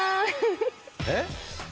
えっ？